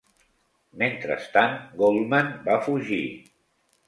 Mentrestant, Goldman va fugir.